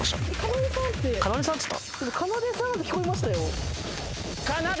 「かなでさん」っつった？